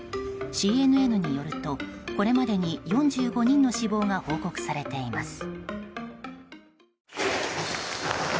ＣＮＮによるとこれまでに４５人の死亡が報告されています。